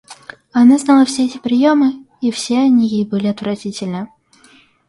Она знала все эти приемы, и все они ей были отвратительны.